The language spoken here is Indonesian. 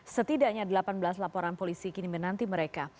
setidaknya delapan belas laporan polisi kini menanti mereka